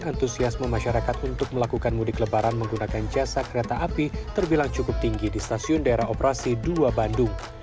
antusiasme masyarakat untuk melakukan mudik lebaran menggunakan jasa kereta api terbilang cukup tinggi di stasiun daerah operasi dua bandung